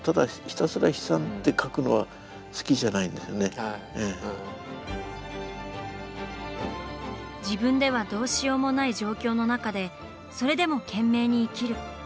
やっぱり見てるとその戦争自分ではどうしようもない状況の中でそれでも懸命に生きる。